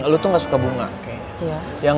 lu tuh ga suka bunga kayaknya